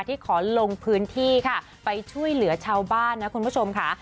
ที่ขอลงพื้นที่ค่ะไปช่วยเหลือชาวบ้านนะคุณผู้ชมค่ะ